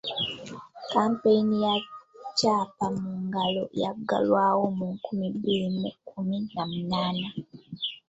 Kkampeyini ya Kyapa Mu Ngalo yaggalwawo mu nkumi bbiri mu kkumi na munaana.